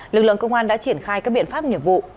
lực lượng công an đã triển khai các biện pháp nghiệp vụ